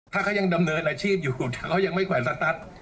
ถ้าเขายังดำเนินอาชีพอยู่ถ้าเขายังไม่แขวนสตัส